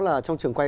là trong trường quay